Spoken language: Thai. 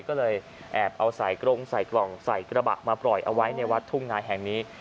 ก็เลยแอบเอาใส่กรงใส่กล่องใส่กระบะมาปล่อยเอาไว้ในวัดทุ่งนาแห่งนี้